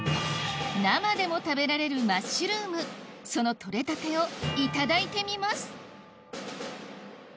生でも食べられるマッシュルームその取れたてをいただいてみます